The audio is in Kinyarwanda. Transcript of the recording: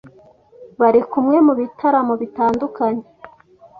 bari kumwe mu bitaramo bitandukanye